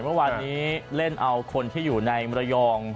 เมื่อวานนี้เล่นเอาคนที่อยู่ในมรยอง